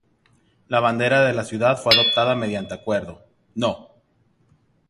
La bandera de la ciudad fue adoptada mediante acuerdo No.